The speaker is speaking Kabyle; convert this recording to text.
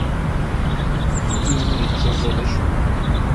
Ul-iw ur ittaggad acemma.